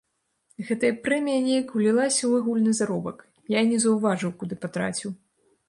Гэтая прэмія неяк улілася ў агульны заробак, я і не заўважыў, куды патраціў.